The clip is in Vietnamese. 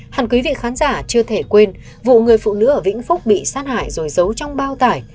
hẳn quý vị khán giả chưa thể quên vụ người phụ nữ ở vĩnh phúc bị sát hại rồi giấu trong bao tải